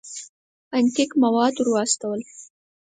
انتیک مواد ور واستول.